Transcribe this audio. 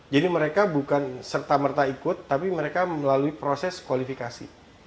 jadi mereka bukan serta merta ikut tapi mereka melalui proses kualifikasi